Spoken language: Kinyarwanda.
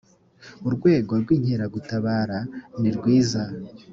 urwego rw inkeragutabara nirwiza